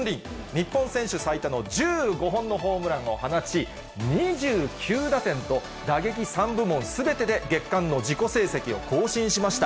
日本選手最多の１５本のホームランを放ち、２９打点と、打撃３部門すべてで月間の自己成績を更新しました。